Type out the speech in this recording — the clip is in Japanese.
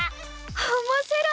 おもしろい！